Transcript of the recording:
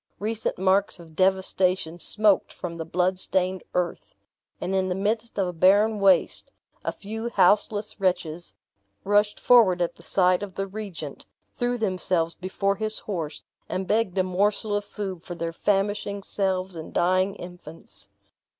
Recent marks of devastation smoked from the blood stained earth; and in the midst of a barren waste, a few houseless wretches rushed forward at the sight of the regent, threw themselves before his horse, and begged a morsel of food for their famishing selves and dying infants.